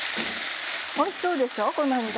おいしそうでしょう？